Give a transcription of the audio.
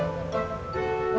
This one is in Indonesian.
marah sama gue